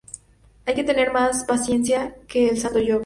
Hay que tener más paciencia que el santo Job